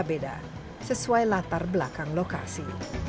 berbeda beda sesuai latar belakang lokasi